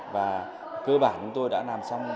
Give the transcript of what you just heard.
và cơ bản chúng tôi đã làm xong